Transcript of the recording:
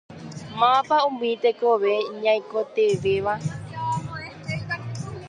Mávapa umi tekove ñaikotevẽvéva?